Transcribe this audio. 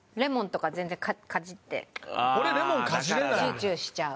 チューチューしちゃう。